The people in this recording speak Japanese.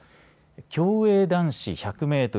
競泳男子１００メートル